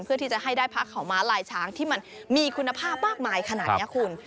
เพื่อที่จะให้ได้พักข่าวม้าลายช้างที่มันมีคุณภาพมากมายขนาดนี้คุณ